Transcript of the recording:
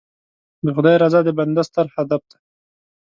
د خدای رضا د بنده ستر هدف دی.